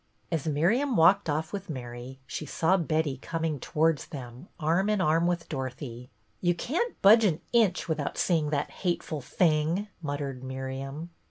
As Miriam walked off with Mary she saw Betty coming towards them arm in arm with Dorothy. "You can't budge an inch without seeing that hateful thing," muttered Miriam.